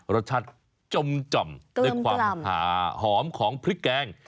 รสชาติจมด้วยความหาหอมของพริกแกง